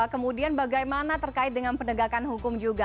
kemudian bagaimana terkait dengan penegakan hukum juga